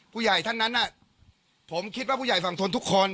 ผู้ใหญ่ท่านนั้นผมคิดว่าผู้ใหญ่ฝั่งทนทุกคน